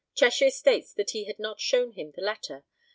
Cheshire states that he had not shown him the letter.